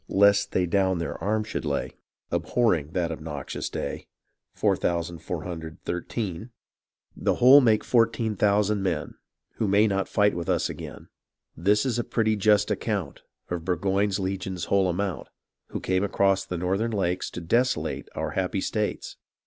... Lest they down their arms should lay , Abhorring that obnoxious day ; The whole make fourteen thousand men Who may not with us fight again .. This is a pretty just account Of Burgo\Tie's legions' whole amount, Who came across the northern lakes To desolate our happy states.